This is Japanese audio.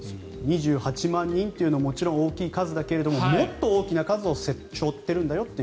２８万人というのは大きな数だけれどもっと大きな数を背負ってるんだよという。